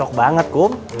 cukup banget kum ya